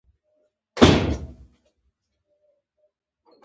بيا مو ترې تپوس وکړو چې څۀ کوئ؟